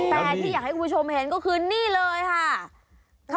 แต่ที่อยากให้คุณผู้ชมเห็นก็คือนี่เลยค่ะ